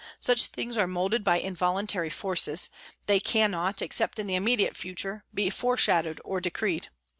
Such things are moulded by involuntary forces ; they cannot, except in the immediate future, be foreshadowed or decreed.